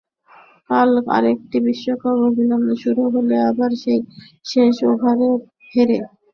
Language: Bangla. কাল আরেকটি বিশ্বকাপ অভিযান শুরু হলো আবারও সেই শেষ ওভারে হেরে।